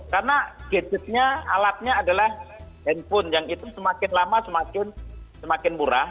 karena gadgetnya alatnya adalah handphone yang itu semakin lama semakin murah